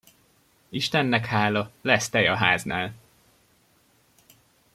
Istennek hála, lesz tej a háznál!